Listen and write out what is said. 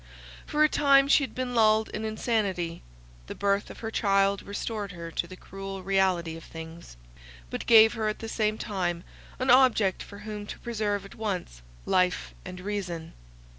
For a time she had been lulled in insanity; the birth of her child restored her to the cruel reality of things, but gave her at the same time an object for whom to preserve at once life and reason.